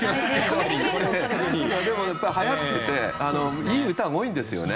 でも、やっぱりはやっていていい歌が多いんですよね。